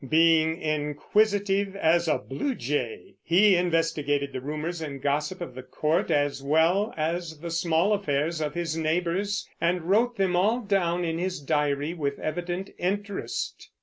Being inquisitive as a blue jay, he investigated the rumors and gossip of the court, as well as the small affairs of his neighbors, and wrote them all down in his diary with evident interest.